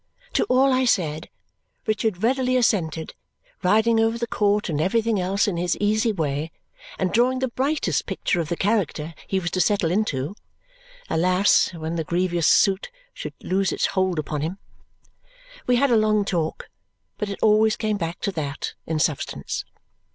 To all I said, Richard readily assented, riding over the court and everything else in his easy way and drawing the brightest pictures of the character he was to settle into alas, when the grievous suit should loose its hold upon him! We had a long talk, but it always came back to that, in substance.